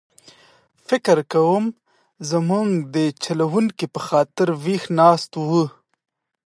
فکر کووم زموږ د چلوونکي په خاطر ویښ ناست و.